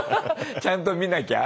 ちゃんと見なきゃ。